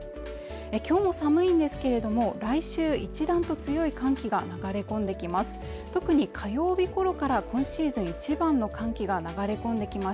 今日も寒いんですけれども来週一段と強い寒気が流れ込んできます